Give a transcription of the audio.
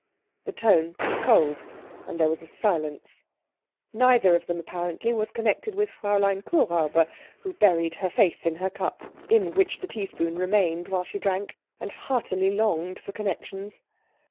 The tone was cold, and there was a silence. Neither of them, apparently, was connected with Fräulein Kuhräuber, who buried her face in her cup, in which the tea spoon remained while she drank, and heartily longed for connections.